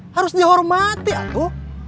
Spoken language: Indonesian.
harus dihormati aku